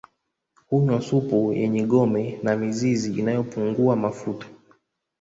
Hunywa supu yenye gome na mizizi inayopungua mafuta